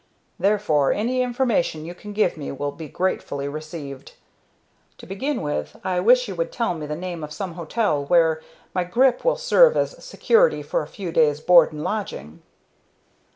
Therefore, any information you can give me will be gratefully received. To begin with, I wish you would tell me the name of some hotel where my grip will serve as security for a few days' board and lodging."